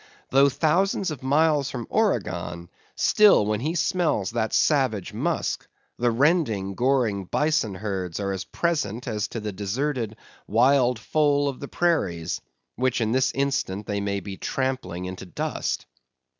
Though thousands of miles from Oregon, still when he smells that savage musk, the rending, goring bison herds are as present as to the deserted wild foal of the prairies, which this instant they may be trampling into dust.